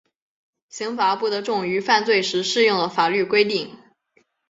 刑罚不得重于犯罪时适用的法律规定。